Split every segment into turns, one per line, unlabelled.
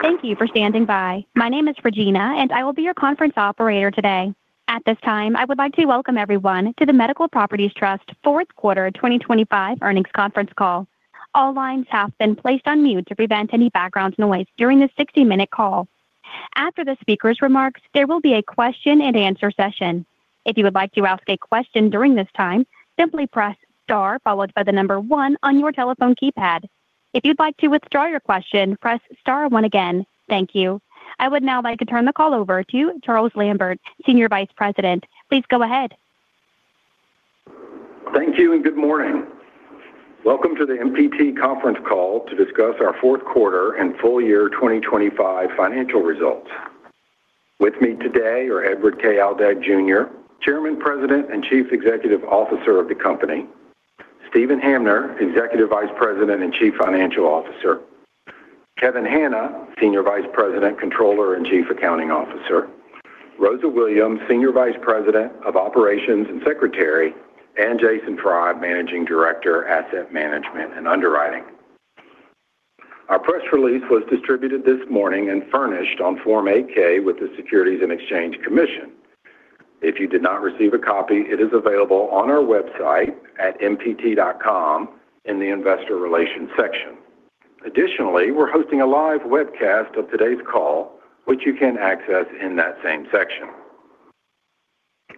Thank you for standing by. My name is Regina, and I will be your conference operator today. At this time, I would like to welcome everyone to the Medical Properties Trust Fourth Quarter 2025 Earnings Conference Call. All lines have been placed on mute to prevent any background noise during this 60-minute call. After the speaker's remarks, there will be a question-and-answer session. If you would like to ask a question during this time, simply press star followed by the number one on your telephone keypad. If you'd like to withdraw your question, press star one again. Thank you. I would now like to turn the call over to Charles Lambert, Senior Vice President. Please go ahead.
Thank you and good morning. Welcome to the MPT conference call to discuss our fourth quarter and full year 2025 financial results. With me today are Edward K. Aldag, Jr., Chairman, President, and Chief Executive Officer of the company; Steven Hamner, Executive Vice President and Chief Financial Officer; Kevin Hanna, Senior Vice President, Controller, and Chief Accounting Officer; Rosa Hooper Williams, Senior Vice President of Operations and Secretary; and Jason Tribe, Managing Director, Asset Management and Underwriting. Our press release was distributed this morning and furnished on Form 8-K with the Securities and Exchange Commission. If you did not receive a copy, it is available on our website at mpt.com in the Investor Relations section. Additionally, we're hosting a live webcast of today's call, which you can access in that same section.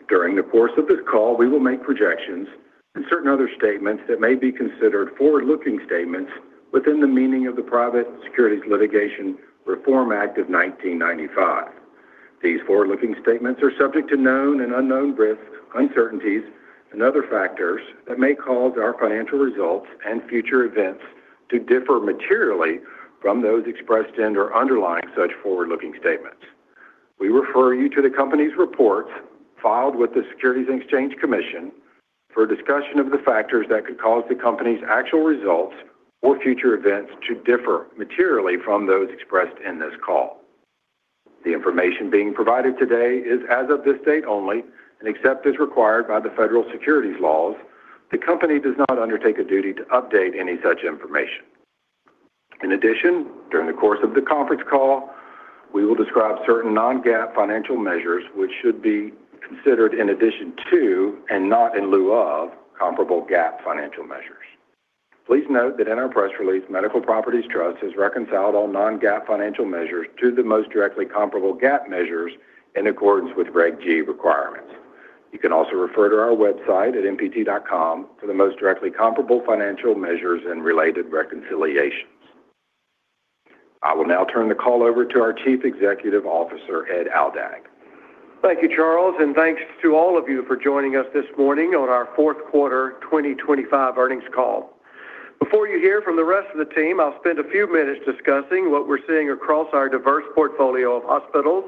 During the course of this call, we will make projections and certain other statements that may be considered forward-looking statements within the meaning of the Private Securities Litigation Reform Act of 1995. These forward-looking statements are subject to known and unknown risks, uncertainties, and other factors that may cause our financial results and future events to differ materially from those expressed in or underlying such forward-looking statements. We refer you to the company's reports filed with the Securities and Exchange Commission for a discussion of the factors that could cause the company's actual results or future events to differ materially from those expressed in this call. The information being provided today is as of this date only, and except as required by the federal securities laws, the company does not undertake a duty to update any such information. In addition, during the course of the conference call, we will describe certain non-GAAP financial measures, which should be considered in addition to, and not in lieu of, comparable GAAP financial measures. Please note that in our press release, Medical Properties Trust has reconciled all non-GAAP financial measures to the most directly comparable GAAP measures in accordance with Reg G requirements. You can also refer to our website at mpt.com for the most directly comparable financial measures and related reconciliations. I will now turn the call over to our Chief Executive Officer, Ed Aldag.
Thank you, Charles, and thanks to all of you for joining us this morning on our fourth quarter 2025 earnings call. Before you hear from the rest of the team, I'll spend a few minutes discussing what we're seeing across our diverse portfolio of hospitals,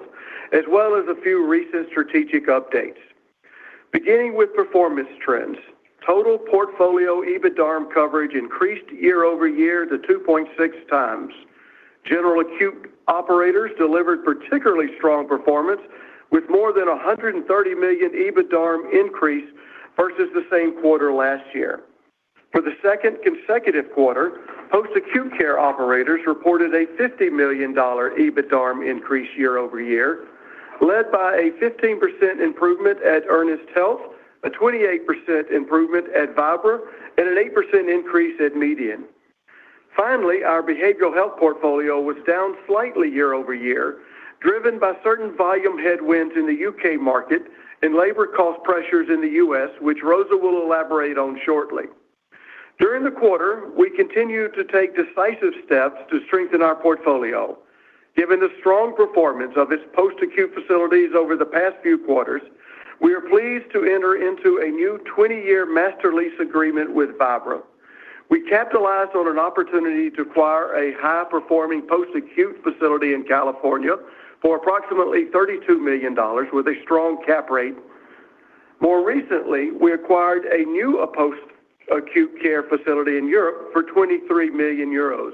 as well as a few recent strategic updates. Beginning with performance trends, total portfolio EBITDARM coverage increased year-over-year to 2.6x. General acute operators delivered particularly strong performance, with more than $130 million EBITDARM increase versus the same quarter last year. For the second consecutive quarter, post-acute care operators reported a $50 million EBITDARM increase year-over-year, led by a 15% improvement at Ernest Health, a 28% improvement at Vibra, and an 8% increase at MEDIAN. Finally, our behavioral health portfolio was down slightly year-over-year, driven by certain volume headwinds in the UK market and labor cost pressures in the U.S., which Rosa will elaborate on shortly. During the quarter, we continued to take decisive steps to strengthen our portfolio. Given the strong performance of its post-acute facilities over the past few quarters, we are pleased to enter into a new 20-year master lease agreement with Vibra. We capitalized on an opportunity to acquire a high-performing post-acute facility in California for approximately $32 million with a strong cap rate. More recently, we acquired a new post-acute care facility in Europe for 23 million euros.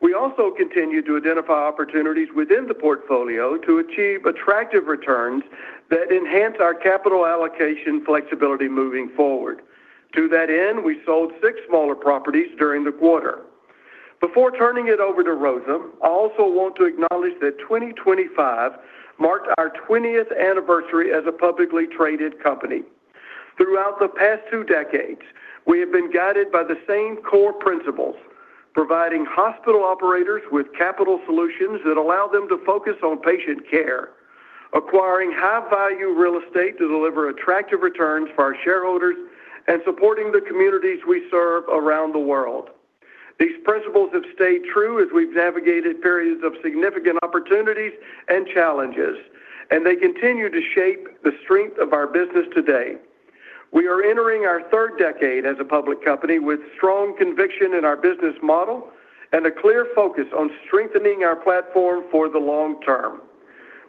We also continued to identify opportunities within the portfolio to achieve attractive returns that enhance our capital allocation flexibility moving forward. To that end, we sold six smaller properties during the quarter. Before turning it over to Rosa, I also want to acknowledge that 2025 marked our 20th anniversary as a publicly traded company. Throughout the past two decades, we have been guided by the same core principles: providing hospital operators with capital solutions that allow them to focus on patient care, acquiring high-value real estate to deliver attractive returns for our shareholders, and supporting the communities we serve around the world. These principles have stayed true as we've navigated periods of significant opportunities and challenges, and they continue to shape the strength of our business today. We are entering our third decade as a public company with strong conviction in our business model and a clear focus on strengthening our platform for the long term.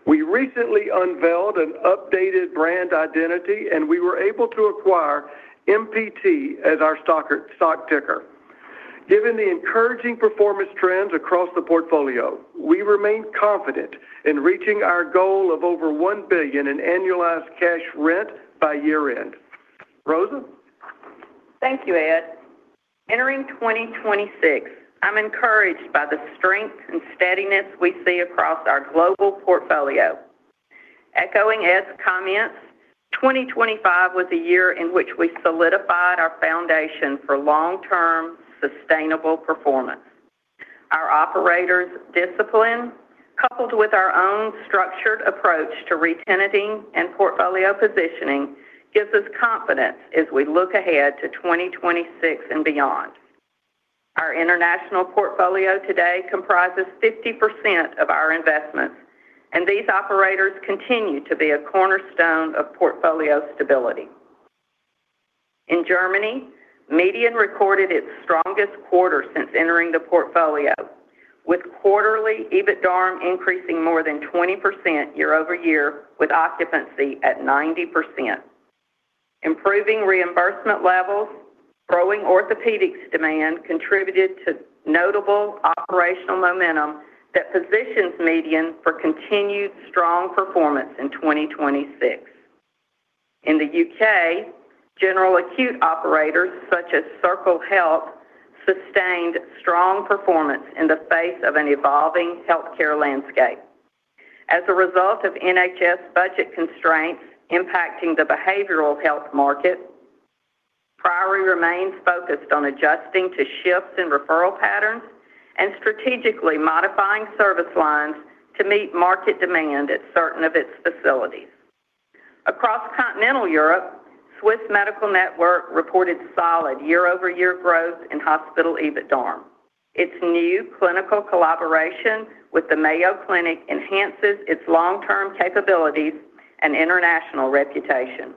We recently unveiled an updated brand identity, and we were able to acquire MPT as our stock ticker. Given the encouraging performance trends across the portfolio, we remain confident in reaching our goal of over $1 billion in annualized cash rent by year-end. Rosa?
Thank you, Ed. Entering 2026, I'm encouraged by the strength and steadiness we see across our global portfolio. Echoing Ed's comments, 2025 was a year in which we solidified our foundation for long-term, sustainable performance. Our operators' discipline, coupled with our own structured approach to re-tenanting and portfolio positioning, gives us confidence as we look ahead to 2026 and beyond. Our international portfolio today comprises 50% of our investments, and these operators continue to be a cornerstone of portfolio stability. In Germany, MEDIAN recorded its strongest quarter since entering the portfolio, with quarterly EBITDARM increasing more than 20% year-over-year, with occupancy at 90%. Improving reimbursement levels, growing orthopedics demand contributed to notable operational momentum that positions MEDIAN for continued strong performance in 2026. In the U.K., general acute operators, such as Circle Health, sustained strong performance in the face of an evolving healthcare landscape. As a result of NHS budget constraints impacting the behavioral health market, Priory remains focused on adjusting to shifts in referral patterns and strategically modifying service lines to meet market demand at certain of its facilities. Across continental Europe, Swiss Medical Network reported solid year-over-year growth in hospital EBITDARM. Its new clinical collaboration with the Mayo Clinic enhances its long-term capabilities and international reputation.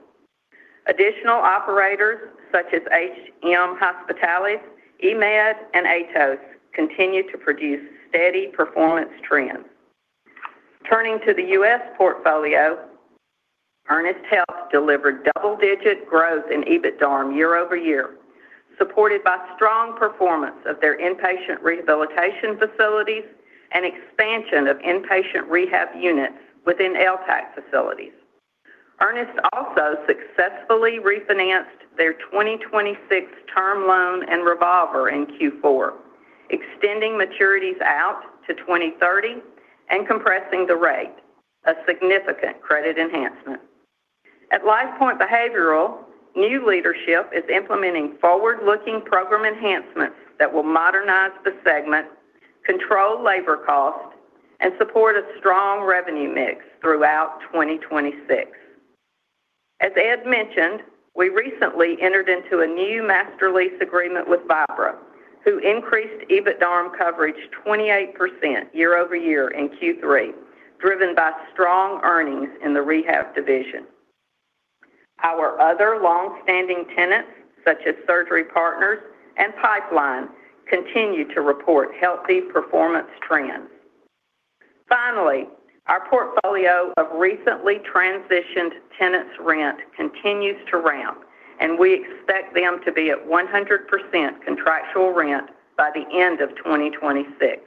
Additional operators, such as HM Hospitales, IMED, and ATOS, continue to produce steady performance trends. Turning to the U.S. portfolio, Ernest Health delivered double-digit growth in EBITDARM year-over-year, supported by strong performance of their inpatient rehabilitation facilities and expansion of inpatient rehab units within LTAC facilities. Ernest also successfully refinanced their 2026 term loan and revolver in Q4, extending maturities out to 2030 and compressing the rate, a significant credit enhancement. At LifePoint Behavioral, new leadership is implementing forward-looking program enhancements that will modernize the segment, control labor costs, and support a strong revenue mix throughout 2026. As Ed mentioned, we recently entered into a new master lease agreement with Vibra, who increased EBITDARM coverage 28% year-over-year in Q3, driven by strong earnings in the rehab division. Our other long-standing tenants, such as Surgery Partners and Pipeline, continue to report healthy performance trends. Finally, our portfolio of recently transitioned tenants' rent continues to ramp, and we expect them to be at 100% contractual rent by the end of 2026.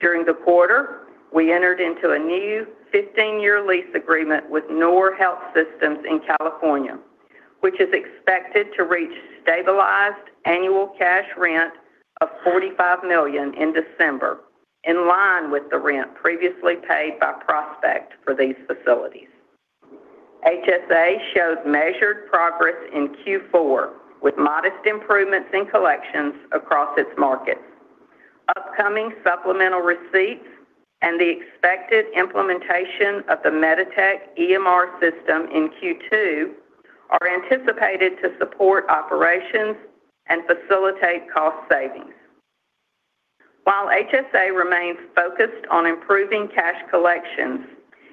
During the quarter, we entered into a new 15-year lease agreement with Noor Health Systems in California, which is expected to reach stabilized annual cash rent of $45 million in December, in line with the rent previously paid by Prospect for these facilities. HSA showed measured progress in Q4, with modest improvements in collections across its markets. Upcoming supplemental receipts and the expected implementation of the MEDITECH EMR system in Q2 are anticipated to support operations and facilitate cost savings. While HSA remains focused on improving cash collections,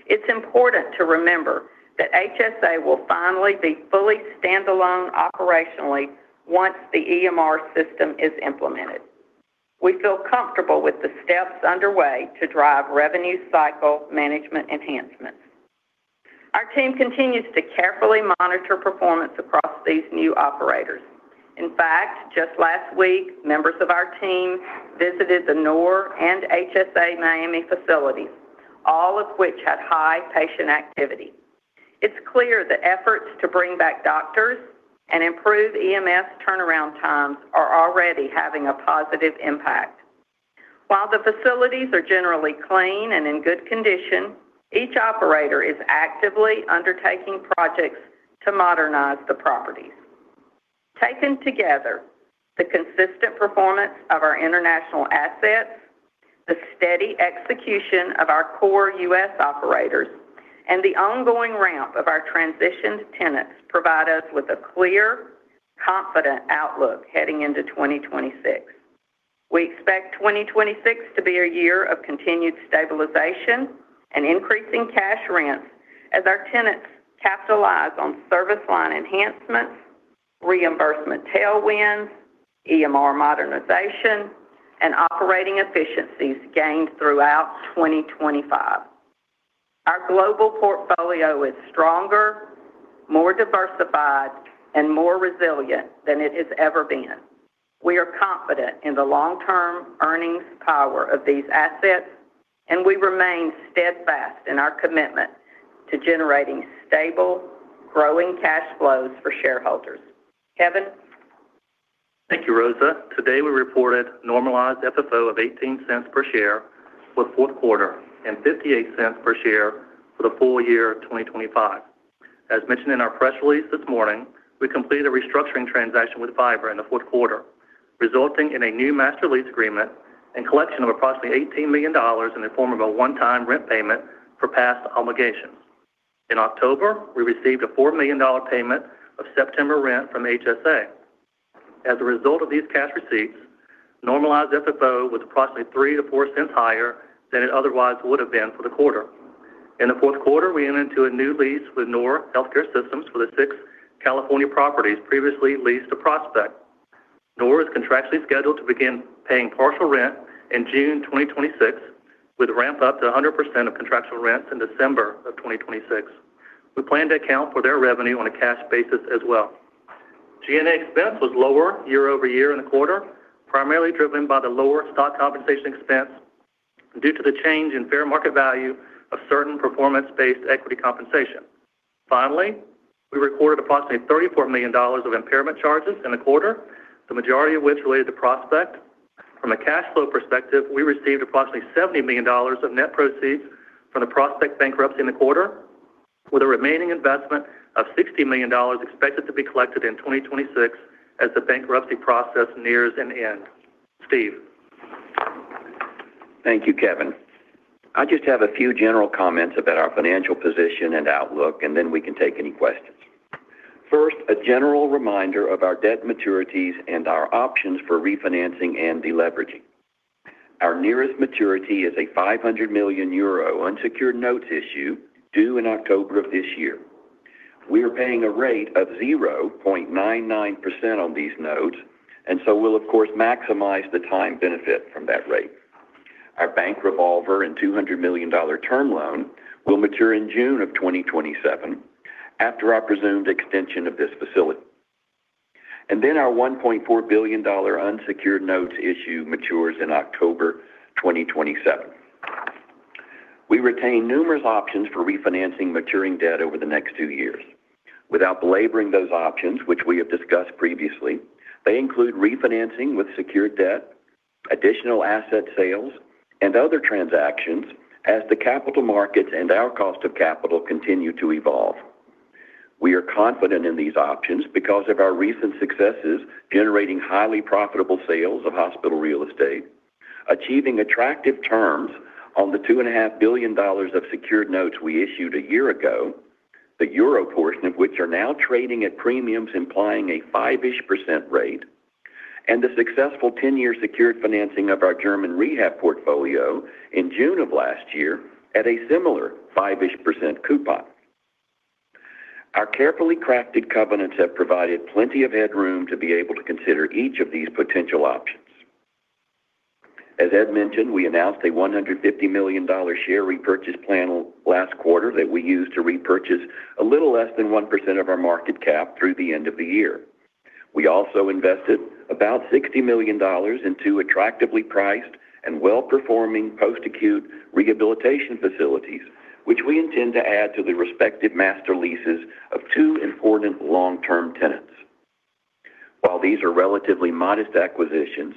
it's important to remember that HSA will finally be fully stand-alone operationally once the EMR system is implemented. We feel comfortable with the steps underway to drive revenue cycle management enhancements. Our team continues to carefully monitor performance across these new operators. In fact, just last week, members of our team visited the Noor and HSA Miami facilities, all of which had high patient activity. It's clear that efforts to bring back doctors and improve EMS turnaround times are already having a positive impact. While the facilities are generally clean and in good condition, each operator is actively undertaking projects to modernize the properties. Taken together, the consistent performance of our international assets, the steady execution of our core US operators, and the ongoing ramp of our transitioned tenants provide us with a clear, confident outlook heading into 2026. We expect 2026 to be a year of continued stabilization and increasing cash rents as our tenants capitalize on service line enhancements, reimbursement tailwinds, EMR modernization, and operating efficiencies gained throughout 2025. Our global portfolio is stronger, more diversified, and more resilient than it has ever been. We are confident in the long-term earnings power of these assets, and we remain steadfast in our commitment to generating stable, growing cash flows for shareholders. Kevin?
Thank you, Rosa. Today, we reported normalized FFO of $0.18 per share for fourth quarter and $0.58 per share for the full year of 2025. As mentioned in our press release this morning, we completed a restructuring transaction with Vibra in the fourth quarter, resulting in a new master lease agreement and collection of approximately $18 million in the form of a one-time rent payment for past obligations. In October, we received a $4 million payment of September rent from HSA. As a result of these cash receipts, normalized FFO was approximately $0.03-$0.04 higher than it otherwise would have been for the quarter. In the fourth quarter, we entered into a new lease with Noor Health Systems for the six California properties previously leased to Prospect. Noor is contractually scheduled to begin paying partial rent in June 2026, with a ramp up to 100% of contractual rent in December 2026. We plan to account for their revenue on a cash basis as well. G&A expense was lower year-over-year in the quarter, primarily driven by the lower stock compensation expense due to the change in fair market value of certain performance-based equity compensation. Finally, we recorded approximately $34 million of impairment charges in the quarter, the majority of which related to Prospect. From a cash flow perspective, we received approximately $70 million of net proceeds from the Prospect bankruptcy in the quarter, with a remaining investment of $60 million expected to be collected in 2026 as the bankruptcy process nears an end. Steve?
Thank you, Kevin. I just have a few general comments about our financial position and outlook, and then we can take any questions. First, a general reminder of our debt maturities and our options for refinancing and deleveraging. Our nearest maturity is a 500 million euro unsecured notes issue, due in October of this year. We are paying a rate of 0.99% on these notes, and so we'll of course, maximize the time benefit from that rate. Our bank revolver and $200 million term loan will mature in June of 2027 after our presumed extension of this facility. And then our $1.4 billion unsecured notes issue matures in October 2027. We retain numerous options for refinancing maturing debt over the next two years. Without belaboring those options, which we have discussed previously, they include refinancing with secured debt, additional asset sales, and other transactions as the capital markets and our cost of capital continue to evolve. We are confident in these options because of our recent successes, generating highly profitable sales of hospital real estate, achieving attractive terms on the $2.5 billion of secured notes we issued a year ago, the euro portion of which are now trading at premiums implying a 5-ish% rate, and the successful 10-year secured financing of our German rehab portfolio in June of last year at a similar 5-ish% coupon. Our carefully crafted covenants have provided plenty of headroom to be able to consider each of these potential options. As Ed mentioned, we announced a $150 million share repurchase plan last quarter that we used to repurchase a little less than 1% of our market cap through the end of the year. We also invested about $60 million in two attractively priced and well-performing post-acute rehabilitation facilities, which we intend to add to the respective master leases of two important long-term tenants. While these are relatively modest acquisitions,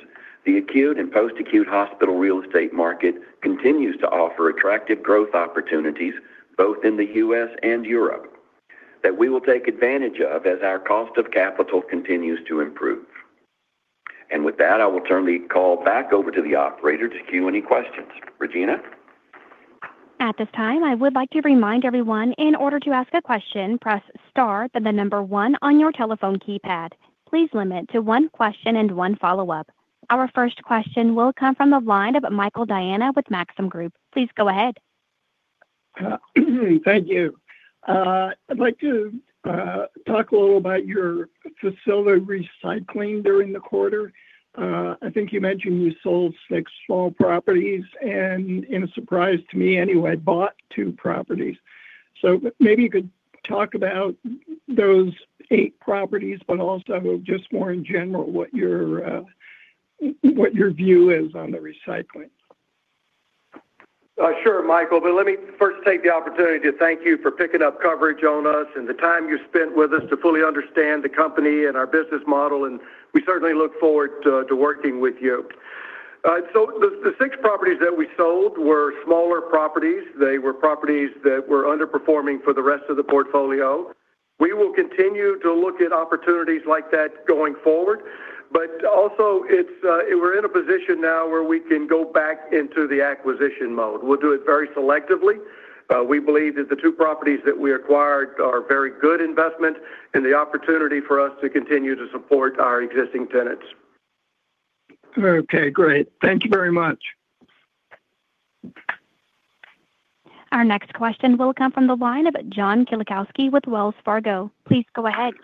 the acute and post-acute hospital real estate market continues to offer attractive growth opportunities, both in the U.S. and Europe, that we will take advantage of as our cost of capital continues to improve. With that, I will turn the call back over to the operator to queue any questions. Regina?
At this time, I would like to remind everyone in order to ask a question, press star, then the number one on your telephone keypad. Please limit to one question and one follow-up. Our first question will come from the line of Michael Diana with Maxim Group. Please go ahead.
Thank you. I'd like to talk a little about your facility recycling during the quarter. I think you mentioned you sold six small properties, and in a surprise to me anyway, bought two properties. So maybe you could talk about those eight properties, but also just more in general, what your view is on the recycling.
Sure, Michael, but let me first take the opportunity to thank you for picking up coverage on us and the time you spent with us to fully understand the company and our business model, and we certainly look forward to, to working with you. So the six properties that we sold were smaller properties. They were properties that were underperforming for the rest of the portfolio. We will continue to look at opportunities like that going forward, but also it's, we're in a position now where we can go back into the acquisition mode. We'll do it very selectively. We believe that the two properties that we acquired are very good investment and the opportunity for us to continue to support our existing tenants.
Okay, great. Thank you very much.
Our next question will come from the line of John Kilichowski with Wells Fargo. Please go ahead.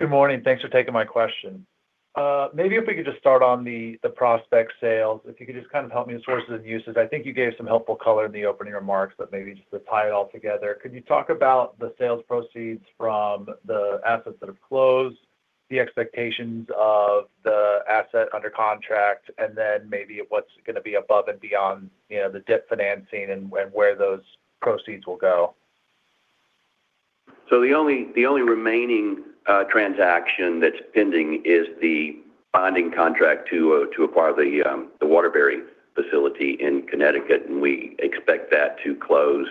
Good morning. Thanks for taking my question. Maybe if we could just start on the Prospect sales, if you could just kind of help me with sources and uses. I think you gave some helpful color in the opening remarks, but maybe just to tie it all together, could you talk about the sales proceeds from the assets that have closed, the expectations of the asset under contract, and then maybe what's going to be above and beyond, you know, the debt financing and where those proceeds will go.
The only remaining transaction that's pending is the bonding contract to acquire the Waterbury facility in Connecticut, and we expect that to close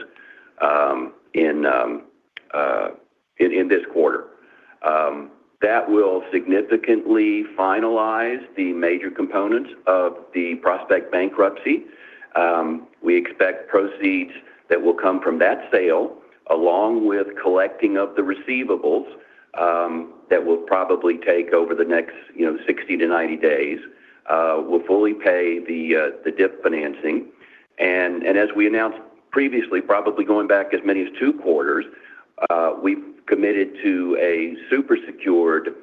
in this quarter. That will significantly finalize the major components of the Prospect bankruptcy. We expect proceeds that will come from that sale, along with collecting of the receivables that will probably take over the next, you know, 60 days-90 days will fully pay the DIP financing. As we announced previously, probably going back as many as two quarters, we've committed to a super secured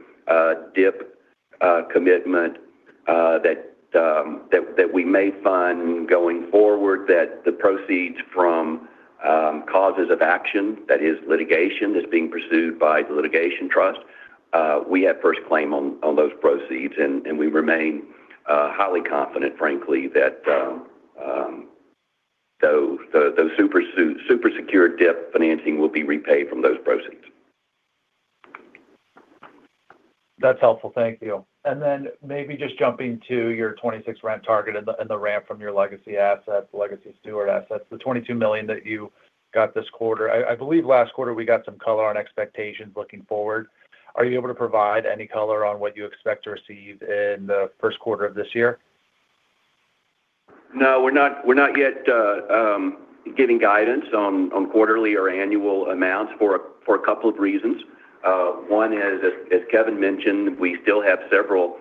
DIP commitment that we may find going forward that the proceeds from causes of action, that is, litigation that's being pursued by the litigation trust. We have first claim on those proceeds, and we remain highly confident, frankly, that those super secured DIP financing will be repaid from those proceeds.
That's helpful. Thank you. And then maybe just jumping to your 2026 rent target and the, and the ramp from your legacy assets, legacy Steward assets, the $22 million that you got this quarter. I, I believe last quarter, we got some color on expectations looking forward. Are you able to provide any color on what you expect to receive in the first quarter of this year?
No, we're not, we're not yet giving guidance on, on quarterly or annual amounts for, for a couple of reasons. One is, as, as Kevin mentioned, we still have several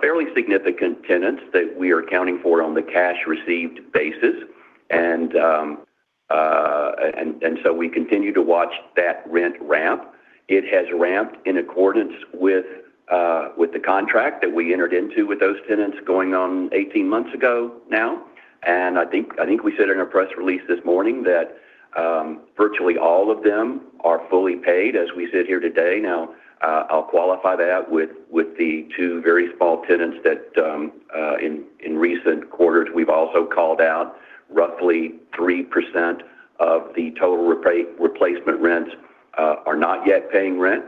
fairly significant tenants that we are accounting for on the cash received basis. And, and so we continue to watch that rent ramp. It has ramped in accordance with the contract that we entered into with those tenants going on 18 months ago now. And I think, I think we said in our press release this morning that, virtually all of them are fully paid as we sit here today. Now, I'll qualify that with, with the two very small tenants that, in, in recent quarters, we've also called out roughly 3% of the total replacement rents, are not yet paying rent.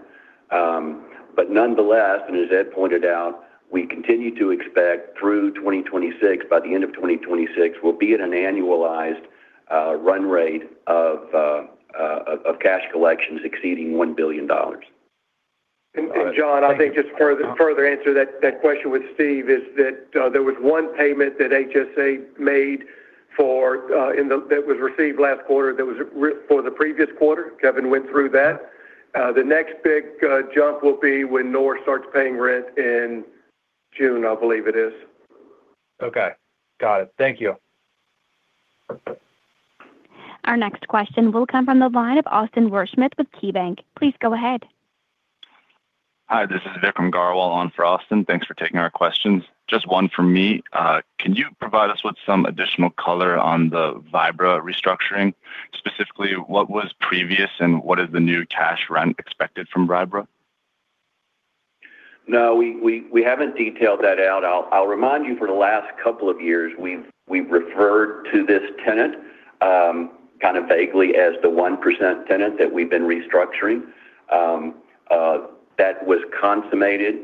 But nonetheless, and as Ed pointed out, we continue to expect through 2026, by the end of 2026, we'll be at an annualized run rate of cash collections exceeding $1 billion.
John, I think just further answer that question with Steve is that there was one payment that HSA made that was received last quarter, that was for the previous quarter. Kevin went through that. The next big jump will be when Noor starts paying rent in June, I believe it is.
Okay. Got it. Thank you.
Our next question will come from the line of Austin Wurschmidt with KeyBanc. Please go ahead.
Hi, this is Vik Aggrawal on for Austin. Thanks for taking our questions. Just one from me. Can you provide us with some additional color on the Vibra restructuring? Specifically, what was previous, and what is the new cash rent expected from Vibra?
No, we haven't detailed that out. I'll remind you, for the last couple of years, we've referred to this tenant, kind of vaguely as the 1% tenant that we've been restructuring. That was consummated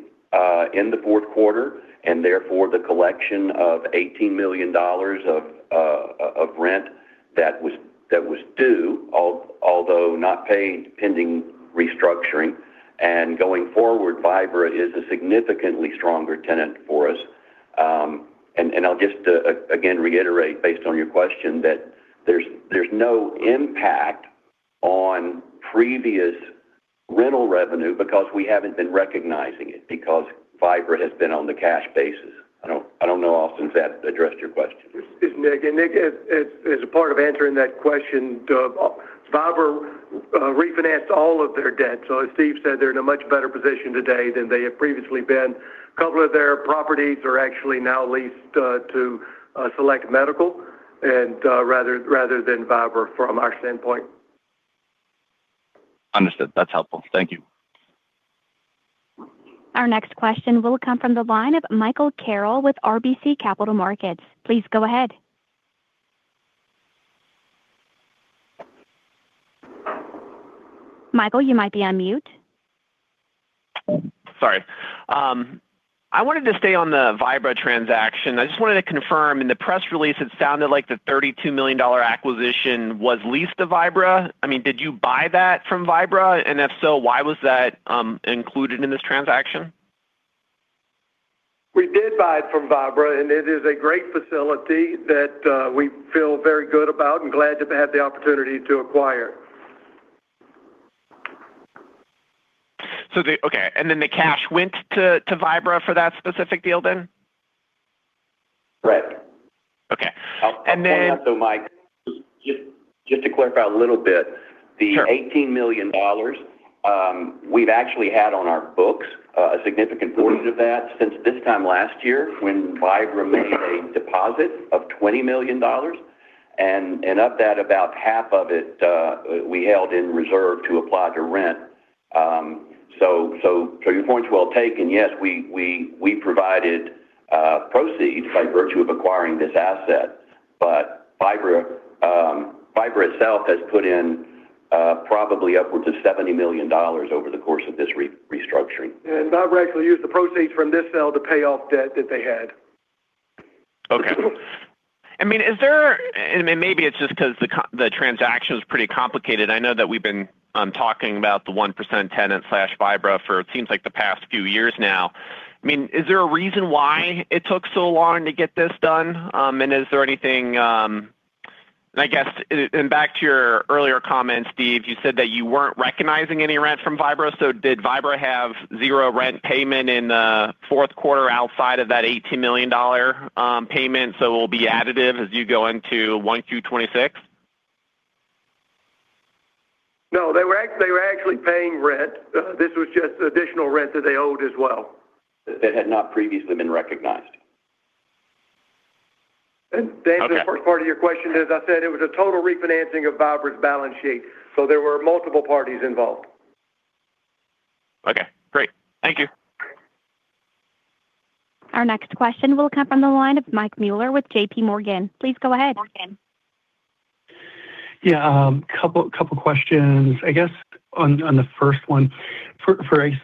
in the fourth quarter, and therefore, the collection of $18 million of rent that was due, although not paid, pending restructuring. And going forward, Vibra is a significantly stronger tenant for us. And I'll just again reiterate, based on your question, that there's no impact on previous rental revenue because we haven't been recognizing it because Vibra has been on the cash basis. I don't know, Austin, if that addressed your question.
It's Ed, and Vik, as a part of answering that question, Vibra refinanced all of their debt. So as Steve said, they're in a much better position today than they have previously been. A couple of their properties are actually now leased to Select Medical and rather than Vibra from our standpoint.
Understood. That's helpful. Thank you.
Our next question will come from the line of Michael Carroll with RBC Capital Markets. Please go ahead. Michael, you might be on mute.
Sorry. I wanted to stay on the Vibra transaction. I just wanted to confirm, in the press release, it sounded like the $32 million acquisition was leased to Vibra. I mean, did you buy that from Vibra? And if so, why was that included in this transaction?
We did buy it from Vibra, and it is a great facility that we feel very good about and glad to have had the opportunity to acquire.
Okay, and then the cash went to Vibra for that specific deal then?
Right.
Okay. And then-
So, Mike, just to clarify a little bit.
Sure.
The $18 million, we've actually had on our books a significant portion of that since this time last year, when Vibra made a deposit of $20 million. And of that, about half of it, we held in reserve to apply to rent. So your point is well taken. Yes, we provided proceeds by virtue of acquiring this asset, but Vibra, Vibra itself has put in probably upwards of $70 million over the course of this restructuring.
Vibra actually used the proceeds from this sale to pay off debt that they had.
Okay. And maybe it's just 'cause the transaction is pretty complicated. I know that we've been talking about the 1% tenant/Vibra for it seems like the past few years now. I mean, is there a reason why it took so long to get this done? And I guess, and back to your earlier comment, Steve, you said that you weren't recognizing any rent from Vibra. So did Vibra have zero rent payment in the fourth quarter outside of that $18 million payment, so it will be additive as you go into 1 through 26?
No, they were actually paying rent. This was just additional rent that they owed as well.
That had not previously been recognized.
And, Michael-
Okay.
The first part of your question, as I said, it was a total refinancing of Vibra's balance sheet, so there were multiple parties involved.
Okay, great. Thank you.
Our next question will come from the line of Mike Mueller with JPMorgan. Please go ahead.
Yeah, couple questions. I guess on the first one, for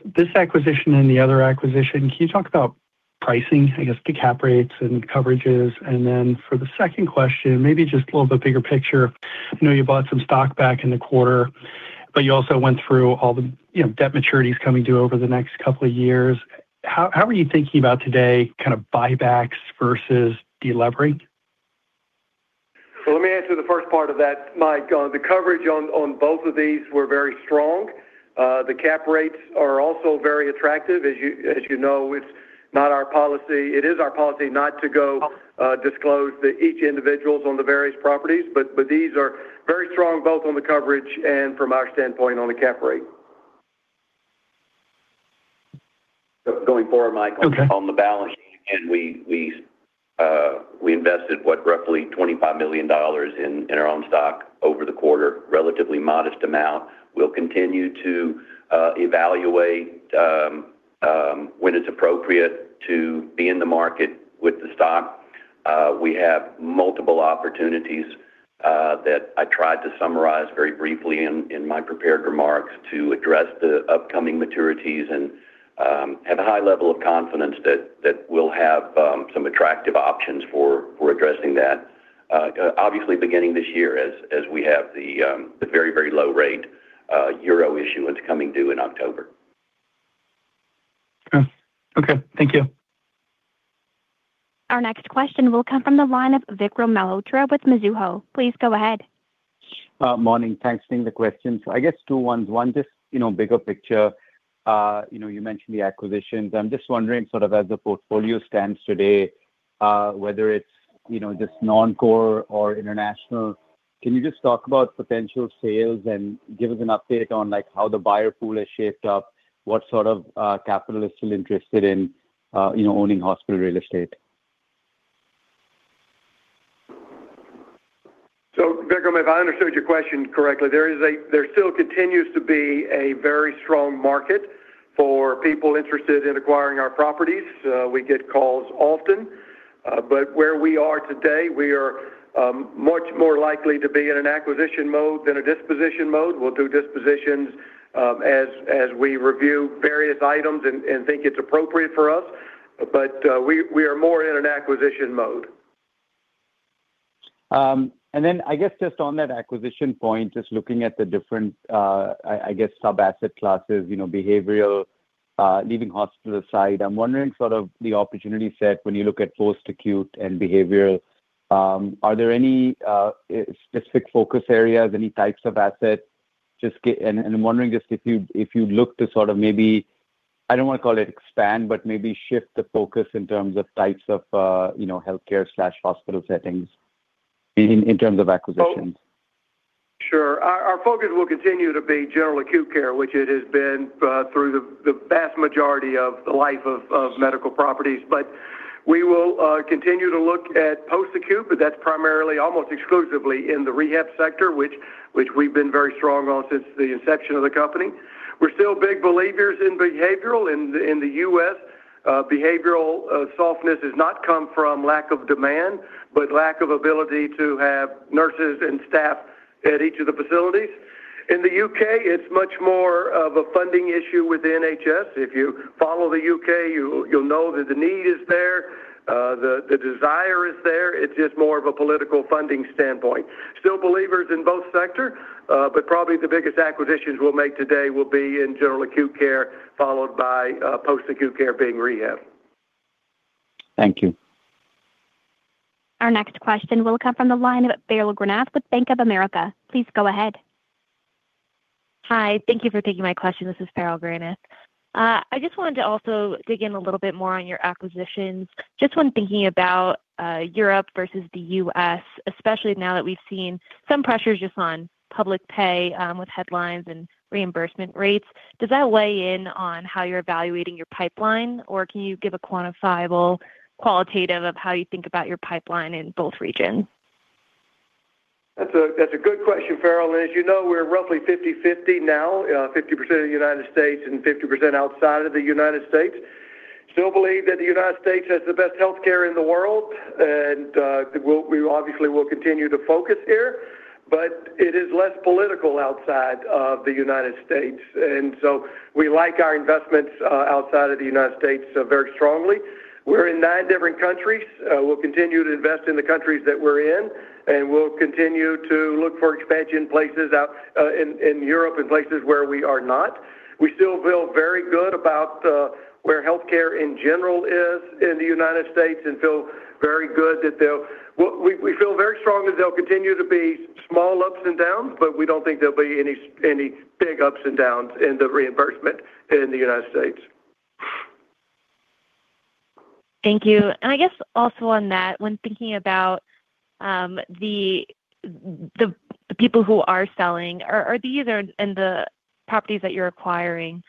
this acquisition and the other acquisition, can you talk about pricing, I guess, the cap rates and coverages? And then for the second question, maybe just a little bit bigger picture. I know you bought some stock back in the quarter, but you also went through all the, you know, debt maturities coming due over the next couple of years. How are you thinking about today, kind of buybacks versus delevering?
So let me answer the first part of that, Mike. The coverage on both of these were very strong. The cap rates are also very attractive. As you know, it is our policy not to go disclose the each individuals on the various properties, but these are very strong, both on the coverage and from our standpoint on the cap rate.
Going forward, Mike-
Okay
On the balance sheet, and we invested what, roughly $25 million in our own stock over the quarter, relatively modest amount. We'll continue to evaluate when it's appropriate to be in the market with the stock. We have multiple opportunities that I tried to summarize very briefly in my prepared remarks, to address the upcoming maturities and have a high level of confidence that we'll have some attractive options for addressing that. Obviously, beginning this year, as we have the very, very low rate euro issuance coming due in October.
Okay. Thank you.
Our next question will come from the line of Vikram Malhotra with Mizuho. Please go ahead.
Morning. Thanks for taking the question. So I guess two ones. One, just, you know, bigger picture. You know, you mentioned the acquisitions. I'm just wondering, sort of as the portfolio stands today, whether it's, you know, just non-core or international, can you just talk about potential sales and give us an update on, like, how the buyer pool has shaped up? What sort of capital is still interested in, you know, owning hospital real estate?
So, Vikram, if I understood your question correctly, there still continues to be a very strong market for people interested in acquiring our properties. We get calls often, but where we are today, we are much more likely to be in an acquisition mode than a disposition mode. We'll do dispositions, as we review various items and think it's appropriate for us, but we are more in an acquisition mode.
And then I guess just on that acquisition point, just looking at the different, I guess, sub-asset classes, you know, behavioral, leaving hospital aside, I'm wondering sort of the opportunity set when you look at post-acute and behavioral, are there any specific focus areas, any types of assets? And I'm wondering just if you, if you look to sort of maybe, I don't want to call it expand, but maybe shift the focus in terms of types of, you know, healthcare/hospital settings in, in terms of acquisitions.
Sure. Our focus will continue to be general acute care, which it has been through the vast majority of the life of Medical Properties, but we will continue to look at post-acute, but that's primarily, almost exclusively in the rehab sector, which we've been very strong on since the inception of the company. We're still big believers in behavioral. In the U.S., behavioral softness does not come from lack of demand, but lack of ability to have nurses and staff at each of the facilities. In the U.K., it's much more of a funding issue with the NHS. If you follow the U.K., you'll know that the need is there, the desire is there. It's just more of a political funding standpoint. Still believers in both sector, but probably the biggest acquisitions we'll make today will be in general acute care, followed by post-acute care being rehabbed.
Thank you.
Our next question will come from the line of Farrell Granath with Bank of America. Please go ahead.
Hi, thank you for taking my question. This is Farrell Granath. I just wanted to also dig in a little bit more on your acquisitions. Just when thinking about, Europe versus the US, especially now that we've seen some pressures just on public pay, with headlines and reimbursement rates, does that weigh in on how you're evaluating your pipeline? Or can you give a quantifiable qualitative of how you think about your pipeline in both regions?
That's a good question, Farrell. As you know, we're roughly 50/50 now, 50% of the United States and 50% outside of the United States. Still believe that the United States has the best healthcare in the world, and we obviously will continue to focus here, but it is less political outside of the United States. And so we like our investments outside of the United States very strongly. We're in nine different countries. We'll continue to invest in the countries that we're in, and we'll continue to look for expansion places out in Europe and places where we are not. We still feel very good about where healthcare in general is in the United States and feel very good that they'll.. We feel very strongly they'll continue to be small ups and downs, but we don't think there'll be any big ups and downs in the reimbursement in the United States.
Thank you. I guess also on that, when thinking about the people who are selling, and the properties that you're acquiring,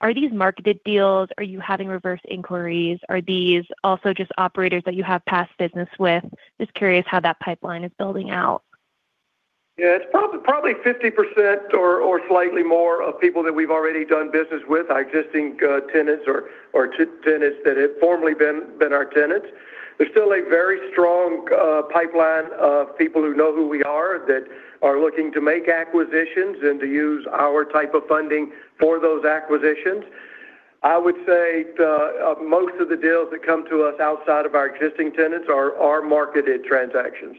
are these marketed deals? Are you having reverse inquiries? Are these also just operators that you have past business with? Just curious how that pipeline is building out.
Yeah, it's probably 50% or slightly more of people that we've already done business with, existing tenants or tenants that have formerly been our tenants. There's still a very strong pipeline of people who know who we are, that are looking to make acquisitions and to use our type of funding for those acquisitions. I would say most of the deals that come to us outside of our existing tenants are marketed transactions.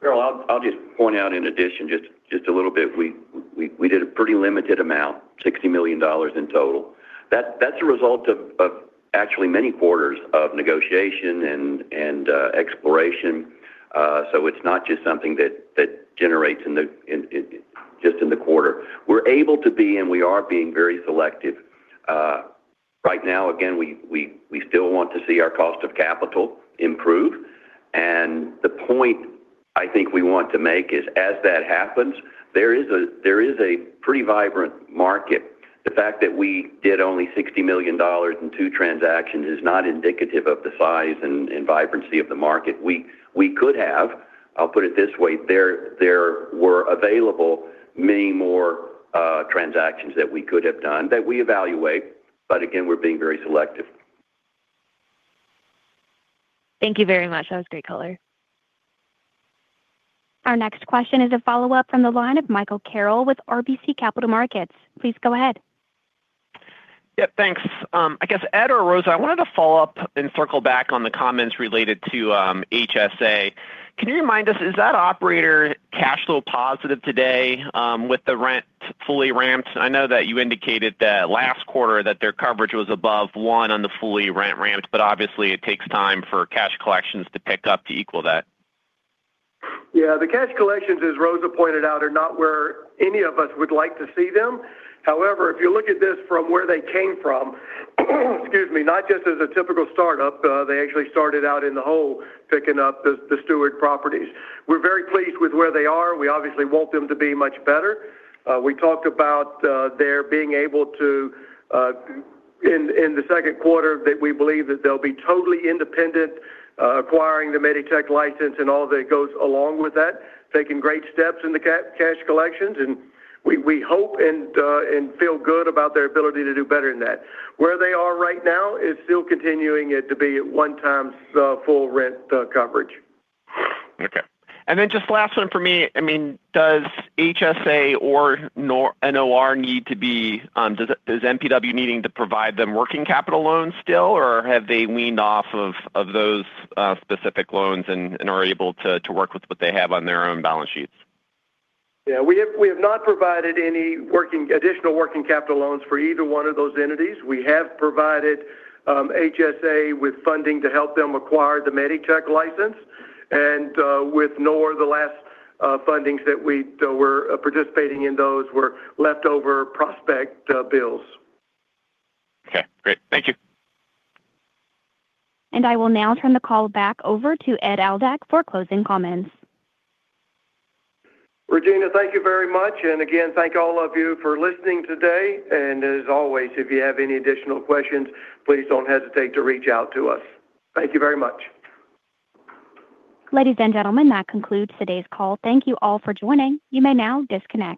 Farrell, I'll just point out in addition, just a little bit, we did a pretty limited amount, $60 million in total. That's a result of actually many quarters of negotiation and exploration. So it's not just something that generates in just the quarter. We're able to be, and we are being very selective. Right now, again, we still want to see our cost of capital improve. And the point I think we want to make is, as that happens, there is a pretty vibrant market. The fact that we did only $60 million in two transactions is not indicative of the size and vibrancy of the market. We could have. I'll put it this way, there were many more available transactions that we could have done that we evaluate, but again, we're being very selective.
Thank you very much. That was great color.
Our next question is a follow-up from the line of Michael Carroll with RBC Capital Markets. Please go ahead.
Yeah, thanks. I guess, Ed or Rosa, I wanted to follow up and circle back on the comments related to HSA. Can you remind us, is that operator cash flow positive today with the rent fully ramped? I know that you indicated that last quarter, that their coverage was above one on the fully rent ramped, but obviously, it takes time for cash collections to pick up to equal that.
Yeah, the cash collections, as Rosa pointed out, are not where any of us would like to see them. However, if you look at this from where they came from, excuse me, not just as a typical startup, they actually started out in the hole, picking up the, the Steward properties. We're very pleased with where they are. We obviously want them to be much better. We talked about, they're being able, in the second quarter, that we believe that they'll be totally independent, acquiring the MEDITCH license and all that goes along with that, taking great steps in the cash collections. And we, we hope and, and feel good about their ability to do better than that. Where they are right now is still continuing it to be at 1x, full rent, coverage.
Okay. And then just last one for me. I mean, does HSA or Noor need to be, does MPW needing to provide them working capital loans still? Or have they weaned off of those specific loans and are able to work with what they have on their own balance sheets?
Yeah, we have, we have not provided any working, additional working capital loans for either one of those entities. We have provided HSA with funding to help them acquire the MEDITECH license. And with Noor, the last fundings that we were participating in, those were leftover prospect bills.
Okay, great. Thank you.
I will now turn the call back over to Ed Aldag for closing comments.
Regina, thank you very much. And again, thank all of you for listening today. And as always, if you have any additional questions, please don't hesitate to reach out to us. Thank you very much.
Ladies and gentlemen, that concludes today's call. Thank you all for joining. You may now disconnect.